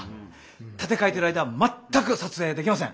建て替えてる間は全く撮影ができません。